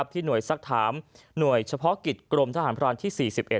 ที่หน่วยสักถามหน่วยเฉพาะกิจกรมทหารพรานที่๔๑